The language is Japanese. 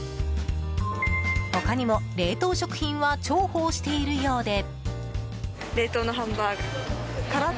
他にも冷凍食品は重宝しているようで。